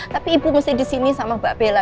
tapi ibu mesti di sini sama mbak bella